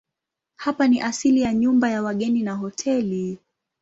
Hapa ni asili ya nyumba ya wageni na hoteli.